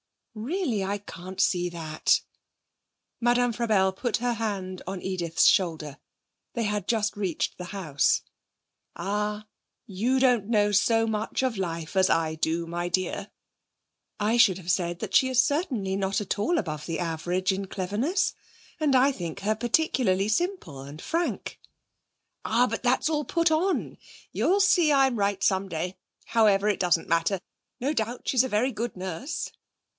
'Really, I can't see that.' Madame Frabelle put her hand on Edith's shoulder. They had just reached the house. 'Ah, you don't know so much of life as I do, my dear.' 'I should have said she is certainly not at all above the average in cleverness, and I think her particularly simple and frank.' 'Ah, but that's all put on. You'll see I'm right some day. However, it doesn't matter. No doubt she's a very good nurse.'